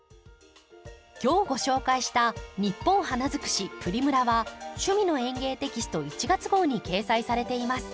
今日ご紹介した「ニッポン花づくしプリムラ」は「趣味の園芸」テキスト１月号に掲載されています。